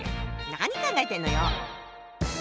何考えてんのよ。